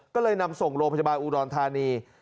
ก็เลยนำส่งโรงพยาบาลอุดรธานี